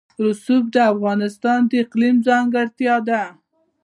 رسوب د افغانستان د اقلیم ځانګړتیا ده.